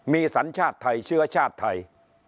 มีสัญชาติไทยเชื้อชาติไทย